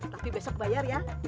tapi besok bayar ya